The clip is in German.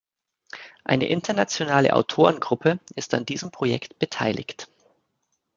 Eine internationale Autorengruppe ist an diesem Projekt beteiligt.